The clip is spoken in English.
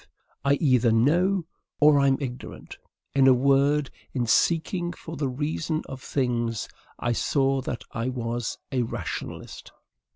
I either KNOW, or am IGNORANT. In a word, in seeking for the reason of things, I saw that I was a RATIONALIST.